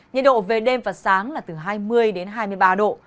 nhiệt độ về đêm và sáng là từ hai mươi đến hai mươi ba độ